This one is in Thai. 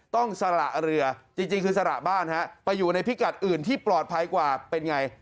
สละเรือจริงคือสละบ้านฮะไปอยู่ในพิกัดอื่นที่ปลอดภัยกว่าเป็นไง